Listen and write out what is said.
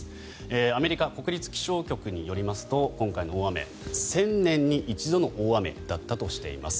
アメリカ国立気象局によりますと今回の大雨１０００年に一度の大雨だったとしています。